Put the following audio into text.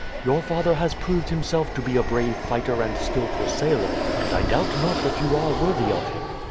Your father has proved himself to be a brave fighter and a skilful sailor, and I doubt not that you are worthy of him.